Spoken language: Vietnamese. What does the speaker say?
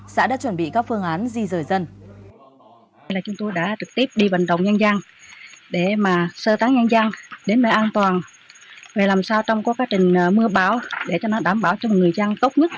xã đã chuẩn bị các phương án di rời dân